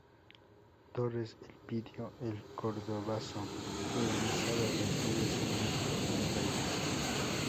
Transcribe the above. Torres, Elpidio: "El cordobazo organizado: la historia sin mitos" Buenos Aires.